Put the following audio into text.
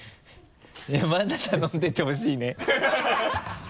まだ頼んでてほしいね